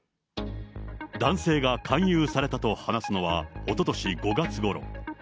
男性が勧誘されたと話すのはおととし５月ごろ。